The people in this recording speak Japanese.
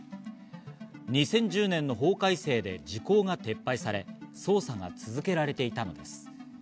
２０１０年の法改正で時効が撤廃され、捜査が続けられていたのです。